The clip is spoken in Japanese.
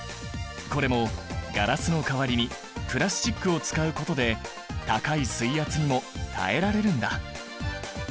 これもガラスの代わりにプラスチックを使うことで高い水圧にも耐えられるんだ。